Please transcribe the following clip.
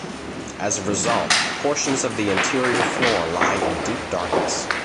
As a result, portions of the interior floor lie in deep darkness.